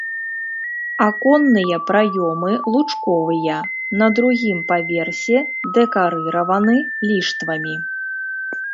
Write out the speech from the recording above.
Аконныя праёмы лучковыя, на другім паверсе дэкарыраваны ліштвамі.